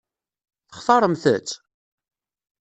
Textaṛemt-tt?